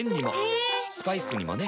ヘェー⁉スパイスにもね。